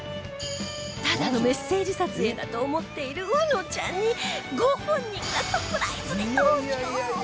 ただのメッセージ撮影だと思っているうのちゃんにご本人がサプライズで登場